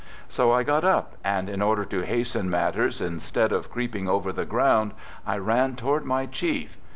So I got up, and in order to hasten matters, in stead of creeping over the ground, I ran toward my chief.